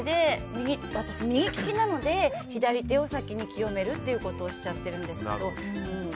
私、右利きなので左手を先に清めるということをしちゃってるんですけど。